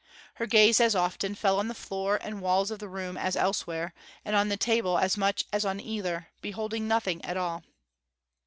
Her gaze as often fell on the floor and walls of the room as elsewhere, and on the table as much as on either, beholding nothing at all.